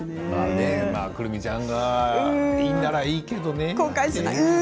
久留美ちゃんがいいならいいけどね。